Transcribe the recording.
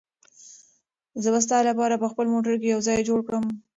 زه به ستا لپاره په خپل موټر کې یو ځای جوړ کړم.